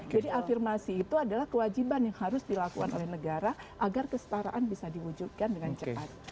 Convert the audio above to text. jadi afirmasi itu adalah kewajiban yang harus dilakukan oleh negara agar kesetaraan bisa diwujudkan dengan cepat